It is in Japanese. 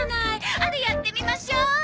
あれやってみましょう！